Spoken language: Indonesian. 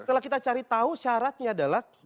setelah kita cari tahu syaratnya adalah